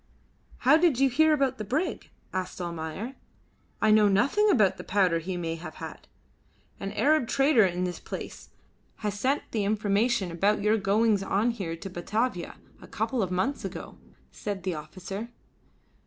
"How did you hear about the brig?" asked Almayer. "I know nothing about the powder he may have had." "An Arab trader of this place has sent the information about your goings on here to Batavia, a couple of months ago," said the officer.